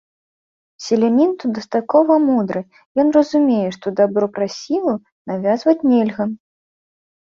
Селянін тут дастаткова мудры, ён разумее, што дабро праз сілу навязваць нельга.